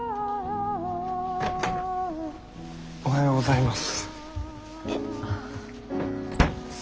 おはようございます。